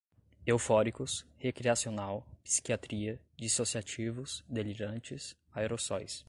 eufóricos, recreacional, psiquiatria, dissociativos, delirantes, aerossóis